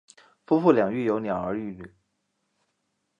夫妇俩育有两儿一女。